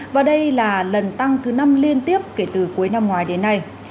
và đây là lần tăng thứ năm liên tiếp kể từ cuối năm ngoái đến nay